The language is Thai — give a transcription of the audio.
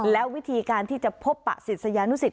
แล้ววิธีการที่จะพบกับศรีสะยานุสิทธิ์